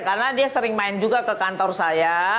karena dia sering main juga ke kantor saya